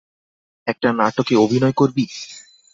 একটা নাটকে অভিনয় করবি?